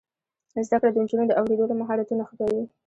زده کړه د نجونو د اوریدلو مهارتونه ښه کوي.